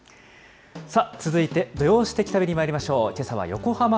続いて、土曜すてき旅にまいりましょう。